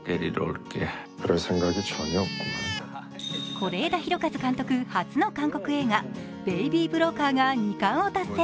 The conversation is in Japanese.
是枝裕和監督、初の韓国映画「ベイビー・ブローカー」が２冠を達成。